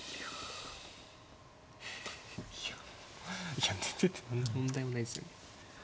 いや出てて問題ないですよね。